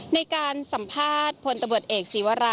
ในการสัมภาษณ์พลตะเบิดเอกซีวารา